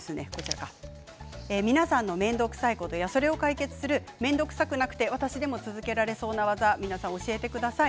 皆さんの面倒くさいことやそれを解決する面倒くさくなくて私でも続けられそうな技皆さん教えてください。